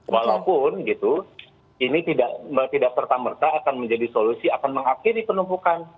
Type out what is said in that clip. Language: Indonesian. walaupun gitu ini tidak serta merta akan menjadi solusi akan mengakhiri penumpukan